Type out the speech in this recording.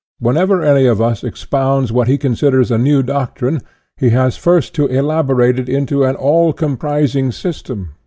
Whenever anyone of us expounds what he considers a new doctrine, he has first to elab orate it into an all comprising system.